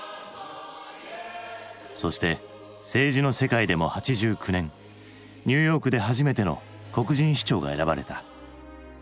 そして政治の世界でも８９年ニューヨークで初めての黒人市長が選ばれた。